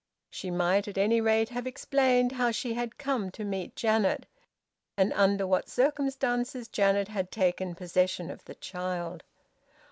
She might at any rate have explained how she had come to meet Janet, and under what circumstances Janet had taken possession of the child.